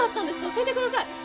教えてください。